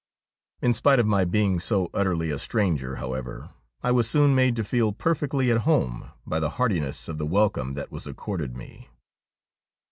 In spite of my being so utterly a stranger, however, I was soon made to feel perfectly at home by the heartiness of the welcome that was accorded me.